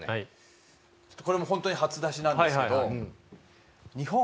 これもホントに初出しなんですけど。